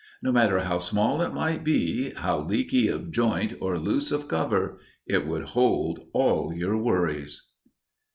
No matter how small it might be, how leaky of joint or loose of cover, it would hold all your worries!